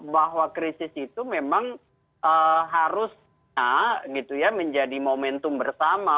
bahwa krisis itu memang harusnya gitu ya menjadi momentum bersama